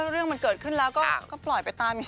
เรื่องมันเกิดขึ้นแล้วก็ปล่อยไปตาม